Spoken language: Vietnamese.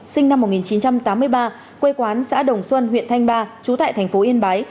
sinh năm một nghìn chín trăm tám mươi ba quê quán xã đồng xuân huyện thanh ba trú tại thành phố yên bái